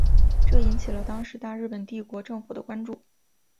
这引起了当时大日本帝国政府的关注。